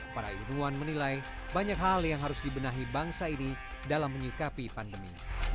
para ilmuwan menilai banyak hal yang harus dibenahi bangsa ini dalam menyikapi pandemi